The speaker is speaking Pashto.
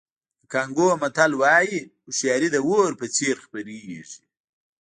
د کانګو متل وایي هوښیاري د اور په څېر خپرېږي.